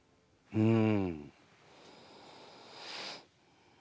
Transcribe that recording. うん。